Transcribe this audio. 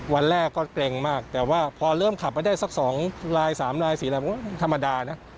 วันแรกก็เกร็งมากแต่ว่าพอเริ่มขับไปได้สัก๒ลาย๓ลาย๔ลายมันก็ธรรมดานะ